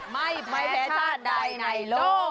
ไม่แพ้ชาติใดในโลก